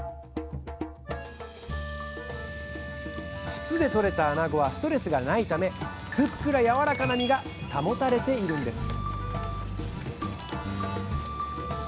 筒でとれたあなごはストレスがないためふっくらやわらかな身が保たれているんです